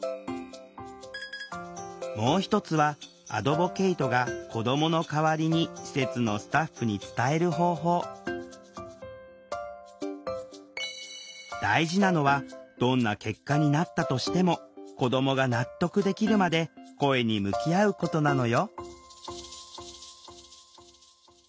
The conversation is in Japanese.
もう一つはアドボケイトが子どもの代わりに施設のスタッフに伝える方法大事なのはどんな結果になったとしても子どもが納得できるまで声に向き合うことなのよ